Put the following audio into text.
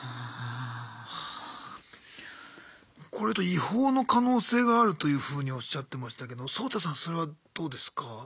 違法の可能性があるというふうにおっしゃってましたけどソウタさんそれはどうですか？